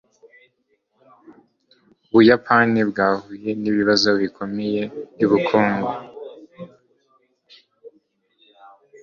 ubuyapani bwahuye nibibazo bikomeye byubukungu